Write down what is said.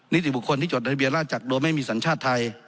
นิติบุคคลที่จดราชิบิลราชักโดยไม่มีสัญชาติไทย